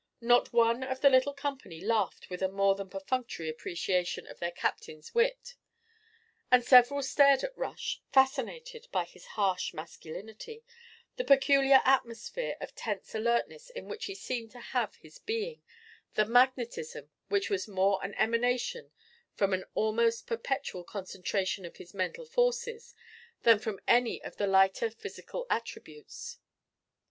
Not one of the little company laughed with a more than perfunctory appreciation of their captain's wit, and several stared at Rush, fascinated by his harsh masculinity, the peculiar atmosphere of tense alertness in which he seemed to have his being, the magnetism which was more an emanation from an almost perpetual concentration of his mental forces than from any of the lighter physical attributes.